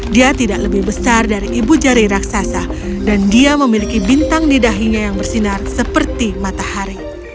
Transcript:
dia tidak lebih besar dari ibu jari raksasa dan dia memiliki bintang di dahinya yang bersinar seperti matahari